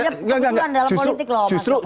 ada kebutuhan dalam politik loh pak jokowi